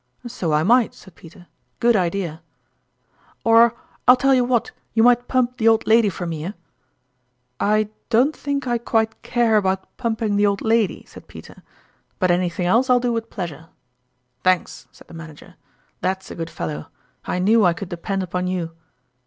" So I might," said Peter, "good idea! "" Or, I'll tell you what you might pump the old lady for me, eh ?"" I don't think I quite care about pumping the old lady," said Peter, " but anything else I'll do with pleasure." "Thanks," said the Manager, "that's a good fellow. I knew I could depend upon you